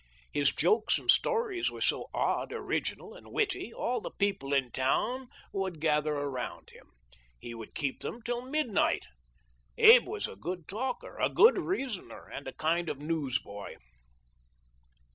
His jokes and stories were so odd, orig inal, and witty all the people in town would gather around him. He would keep them till midnight. Abe was a good talker, a good reasoner, and a kind of newsboy."